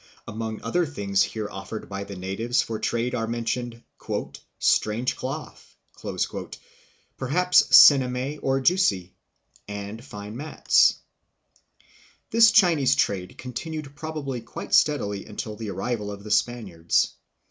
Among other things here offered by the natives for trade are mentioned "strange cloth," perhaps sinamay or jusi, and fine mats. This Chinese trade continued probably quite steadily until the arrival of the Spaniards.